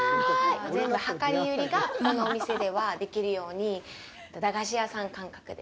全部量り売りがここのお店ではできるように、駄菓子屋さん感覚で。